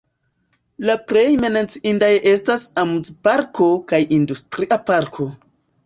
La plej menciindaj estas amuzparko kaj industria parko.